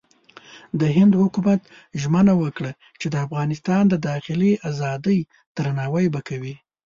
د هند حکومت ژمنه وکړه چې د افغانستان د داخلي ازادۍ درناوی به کوي.